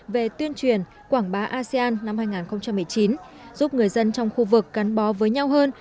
về tuyên truyền quảng bá asean năm hai nghìn một mươi chín giúp người dân trong khu vực cắn bó với nhau hơn